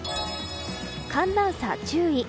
寒暖差注意。